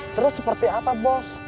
terus seperti apa bos